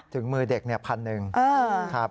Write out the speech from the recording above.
ถึงมือเด็ก๑๐๐๐บาท